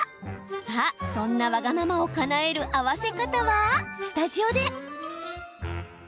さあ、そんなわがままをかなえる合わせ方はスタジオで。